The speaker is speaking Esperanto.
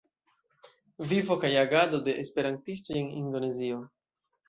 Vivo kaj agado de esperantistoj en Indonezio".